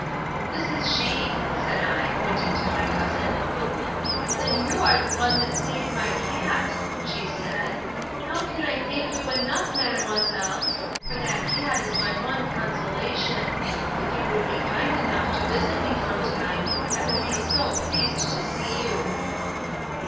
"This is she," said I, pointing to my cousin. "Then you are the one that saved my cat," she said. "How can I thank you enough, Mademoiselle? For that cat is my one consolation. If you would be kind enough to visit me sometime, I would be so pleased to see you."